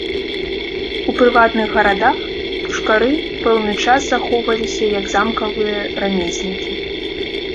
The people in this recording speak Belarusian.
У прыватных гарадах пушкары пэўны час захоўваліся як замкавыя рамеснікі.